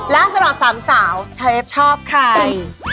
และสำหรับสามสาวเชฟชอบใคร